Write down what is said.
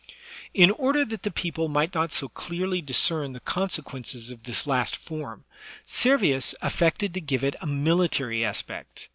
In order that the people might not so clearly discern the consequences of this last form, Servius affected to give it a military aspect.